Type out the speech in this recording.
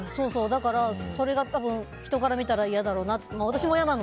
だからそれが多分人から見たら嫌だろうなって。